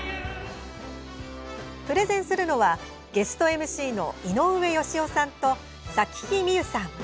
プレゼンするのはゲストＭＣの井上芳雄さんと咲妃みゆさん。